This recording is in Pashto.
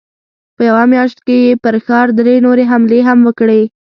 په يوه مياشت کې يې پر ښار درې نورې حملې هم وکړې.